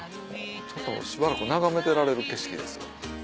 ちょっとしばらく眺めてられる景色ですよ。